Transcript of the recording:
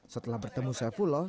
setelah bertemu saifullah